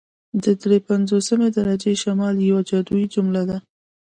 د دري پنځوسمې درجې شمال یوه جادويي جمله ده